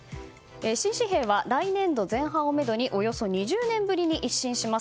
新紙幣は来年度前半をめどにおよそ２０年ぶりに一新します。